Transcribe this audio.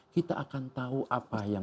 kita akan tahu apa yang